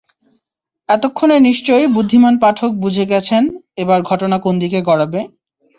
এতক্ষণে নিশ্চয়ই বুদ্ধিমান পাঠক বুঝে গেছেন, এবার ঘটনা কোন দিকে গড়াবে।